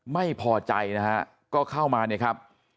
ไม่พอใจนะฮะก็เข้ามาเนี่ยครับ